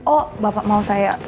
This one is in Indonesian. oh bapak mau saya